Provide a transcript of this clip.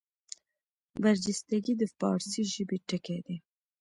برجستګي د فاړسي ژبي ټکی دﺉ.